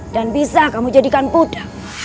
dan bisa kamu jadikan budak